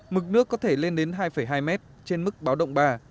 mực nước có thể lên đến hai hai m trên mức báo động ba